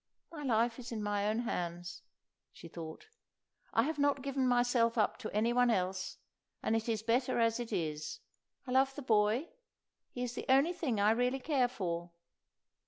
"My life is in my own hands," she thought. "I have not given up myself to any one else, and it is better as it is. I love the boy; he is the only thing I really care for."